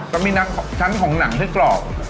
ก็มีช้างของหนังที่กรอบ